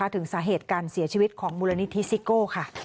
ถึงสาเหตุการเสียชีวิตของมูลนิธิซิโก้ค่ะ